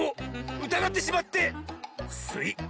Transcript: うたがってしまってすい！